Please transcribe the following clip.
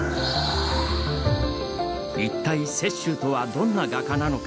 一体、雪舟とはどんな画家なのか。